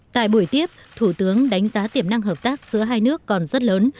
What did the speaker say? tại buổi tiếp thủ tướng đánh giá tiềm năng hợp tác giữa hai nước còn rất lớn